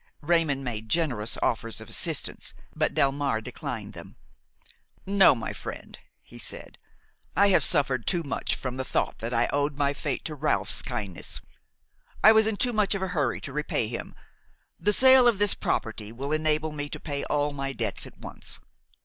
Raymon made generous offers of assistance, but Delmare declined them. "No, my friend," he said, "I have suffered too much from the thought that I owed my fate to Ralph's kindness; I was in too much of a hurry to repay him. The sale of this property will enable me to pay all my debts at once.